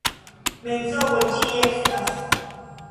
Mensogo ĝi estas!